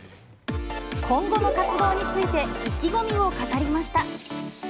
今後の活動について、意気込みを語りました。